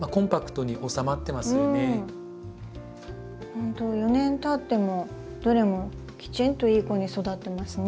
ほんと４年たってもどれもきちんといい子に育ってますね。